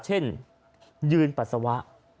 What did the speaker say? เช่นยืนปัสสาวะ